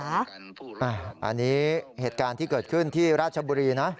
อันนี้เหตุการณ์ที่เกิดขึ้นที่ราชบุรีนะ